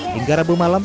hingga rabu malam